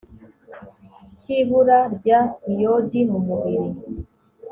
cy'ibura rya iyodi mu mubiri